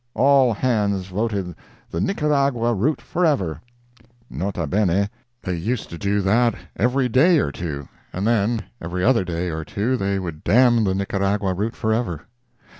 All hands voted "the Nicaragua route forever!" [N.B.—They used to do that every day or two—and then every other day or two they would damn the Nicaragua route forever.